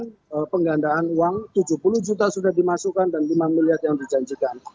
dan penggandaan uang tujuh puluh juta sudah dimasukkan dan lima miliar yang dijanjikan